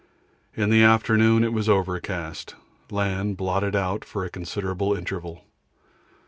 In the afternoon it was overcast; land blotted out for a considerable interval.